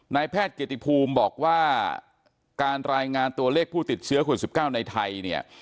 นายแพทย์เกตติภูมิบอกว่าการรายงานตัวเลขผู้ติดเชื้อคุณ๑๙ในไทย